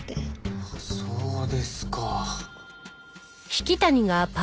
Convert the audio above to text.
そうですか。